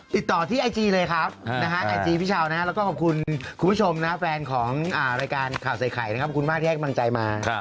ติดต่อที่ไอจีเลยครับไอจีพี่เช้านะฮะแล้วก็ขอบคุณคุณผู้ชมนะแฟนของรายการข่าวใส่ไข่นะครับขอบคุณมากที่ให้กำลังใจมา